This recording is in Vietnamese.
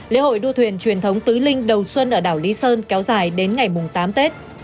lễ hội đua thuyền truyền thống tứ linh đầu xuân ở đảo lý sơn kéo dài đến ngày tám tết